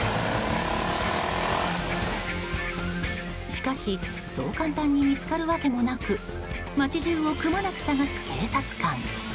しかしそう簡単に見つかるわけもなく街中をくまなく捜す警察官。